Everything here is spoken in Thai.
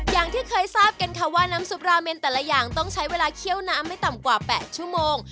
อย่างที่เคยทราบกันค่ะว่าน้ำซุปราเมนแต่ละอย่างต้องใช้เวลาเคี่ยวน้ำไม่ต่ำกว่า๘ชั่วโมง